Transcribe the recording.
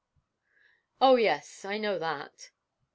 'Oh, yes, I know that.'